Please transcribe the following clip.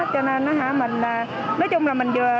cho nên nói chung là mình vừa